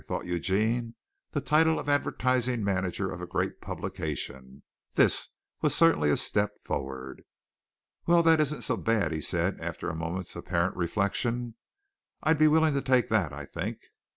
thought Eugene. The title of advertising manager of a great publication! This was certainly a step forward! "Well, that isn't so bad," he said, after a moment's apparent reflection. "I'd be willing to take that, I think."